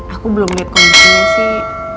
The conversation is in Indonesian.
aku belum lihat kondisinya sih